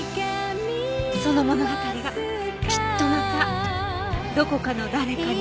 その物語がきっとまたどこかの誰かに力を与える。